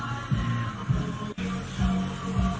สวัสดีครับวันนี้ชัพเบียนเอ้าเฮ้ย